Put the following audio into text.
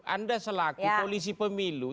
anda selaku polisi pemilu